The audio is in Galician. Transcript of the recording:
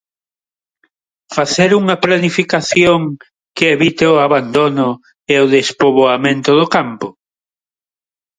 Facer unha planificación que evite o abandono e o despoboamento do campo?